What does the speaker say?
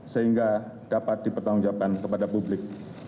sehingga dapat dipertanggungjawabkan kepada publik